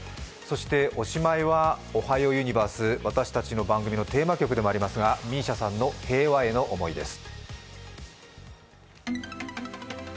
おしまいは「おはようユニバース」、私たちの番組のテーマ曲でもありますがＭＩＳＩＡさんの平和への思いです。